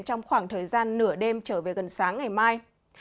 trong khoảng thời gian nửa đêm trở về gần sáng ngày mai